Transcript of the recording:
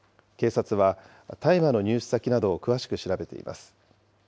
警察は、大麻の入手先などを詳しく調べています。